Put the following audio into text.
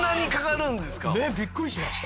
ねえびっくりしました。